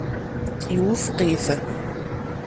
Iwufeq-it.